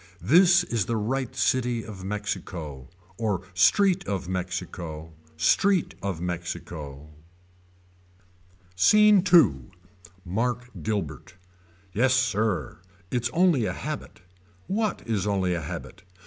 This is the right city of Mexico. Or street of Mexico. Street of Mexico. SCENE II. Mark Guilbert. Yes sir. It's only a habit. What is only a habit.